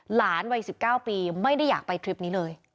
หลานวัย๑๙ปีไม่ได้อยากไปทริปนี้เลย